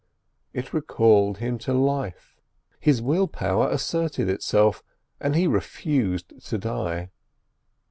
It recalled him to life. His willpower asserted itself, and he refused to die.